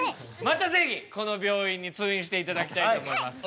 また是非この病院に通院して頂きたいと思います。